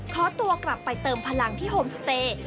ขอตัวกลับไปเติมพลังที่โฮมสเตย์